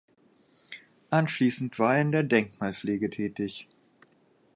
Anschließend war er in der Denkmalpflege tätig.